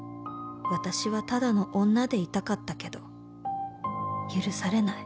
「私はただの女でいたかったけど許されない」